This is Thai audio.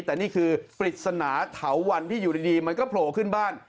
แต่นี่คือปริศนาเถาวันที่อยู่ดีมันก็โผล่ขึ้นบ้าน